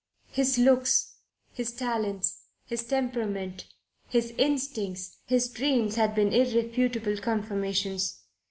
His looks, his talents, his temperament, his instincts, his dreams had been irrefutable confirmations.